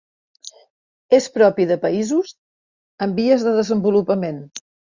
És propi de països en vies de desenvolupament.